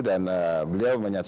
dan beliau menyatakan